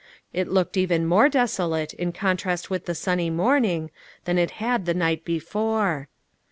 It looked even more desolate, in contrast with the sunny morning, than it had the night before.